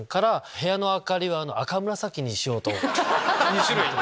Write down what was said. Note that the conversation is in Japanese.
２種類。